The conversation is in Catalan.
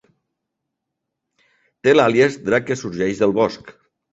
Té l'àlies "Drac que sorgeix del bosc".